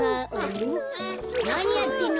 なにやってんの？